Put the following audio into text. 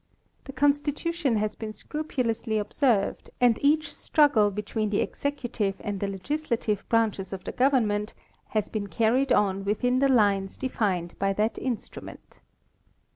The constitution has been scrupulously observed, and each struggle between the executive and the legis lative branches of the government has been carried on within the lines defined by that instrument.